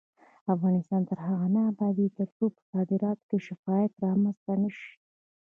افغانستان تر هغو نه ابادیږي، ترڅو په صادراتو کې شفافیت رامنځته نشي.